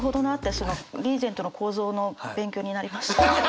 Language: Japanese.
そのリーゼントの構造の勉強になりました。